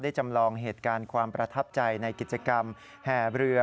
จำลองเหตุการณ์ความประทับใจในกิจกรรมแห่เรือ